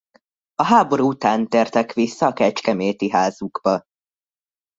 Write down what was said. A háború után tértek vissza a kecskeméti házukba.